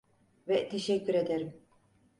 Ve teşekkür ederim.